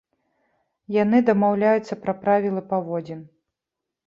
Яны дамаўляюцца пра правілы паводзін.